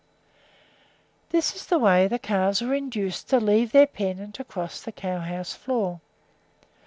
This is the way the calves were induced to leave their pen and to cross the cow house floor.